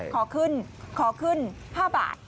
ขอขึ้นขอขึ้น๕บาท